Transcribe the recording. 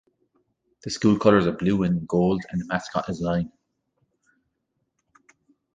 The school colors are blue and gold and the mascot is a lion.